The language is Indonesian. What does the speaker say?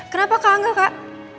kenapa kak angga kak